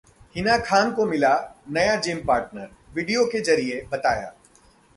हिना खान को मिला नया जिम पार्टनर, वीडियो के जरिए बताया